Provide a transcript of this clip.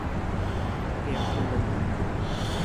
เกมกลยุทธ์